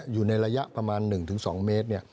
อยู่ในระยะประมาณ๑๒เมตร